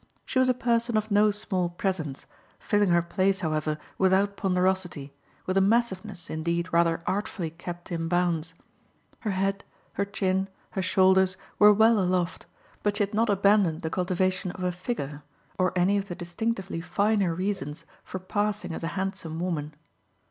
She was a person of no small presence, filling her place, however, without ponderosity, with a massiveness indeed rather artfully kept in bounds. Her head, her chin, her shoulders were well aloft, but she had not abandoned the cultivation of a "figure" or any of the distinctively finer reasons for passing as a handsome woman.